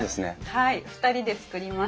はい２人で作りました。